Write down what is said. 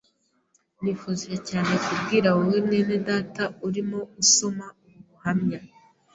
Nifuje cyane kubwira wowe mwenedata urimo usoma ubu buhamya